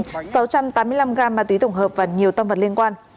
sáu trăm tám mươi năm gam ma túy tổng hợp và nhiều tâm vật liên quan